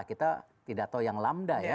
kita tidak tahu yang lamda ya